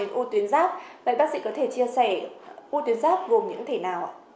nên bác sĩ có thể chia sẻ ưu tuyến giáp gồm những thể nào